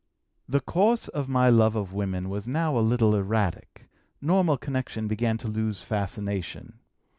"The course of my love of women was now a little erratic; normal connection began to lose fascination.